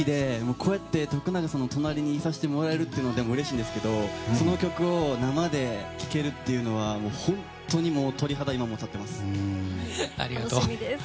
こうやって徳永さんの隣にいさせてもらえるのはうれしいんですけどその曲を生で聴けるっていうのは本当に鳥肌、今も立ってます。